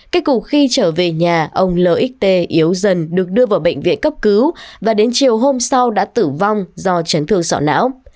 kết cùng khi trở về nhà ông lc yếu dần được đưa vào bệnh viện cấp cứu và đến chiều hôm sau đã tử vong do chấn thương sọ não